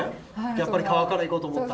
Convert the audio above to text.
やっぱり皮からいこうと思った。